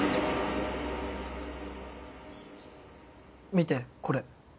見てこれ。